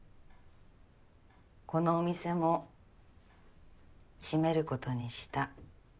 このお店も閉めることにした。